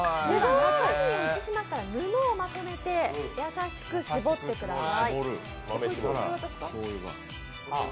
中身を移しましたら布をまとめて優しく搾ってください。